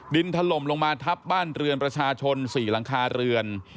ถล่มลงมาทับบ้านเรือนประชาชน๔หลังคาเรือน